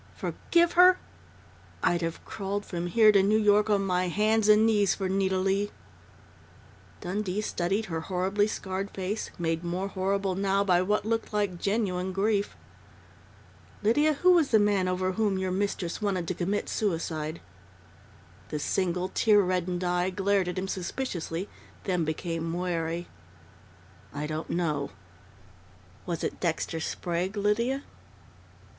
Forgive her? I'd have crawled from here to New York on my hands and knees for Nita Leigh!" Dundee studied her horribly scarred face, made more horrible now by what looked like genuine grief. "Lydia, who was the man over whom your mistress wanted to commit suicide?" The single, tear reddened eye glared at him suspiciously, then became wary. "I don't know." "Was it Dexter Sprague, Lydia?"